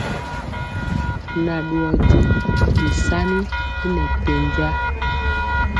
Nan dɔɔ digɔ bisani y nɛ bɛnja.